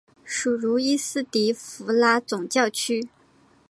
属茹伊斯迪福拉总教区。